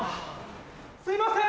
すいません！